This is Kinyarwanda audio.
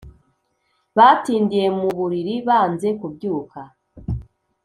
Batindiye mu buriri banze kubyuka